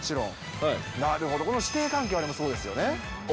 なるほど、この師弟関係はそうですよね。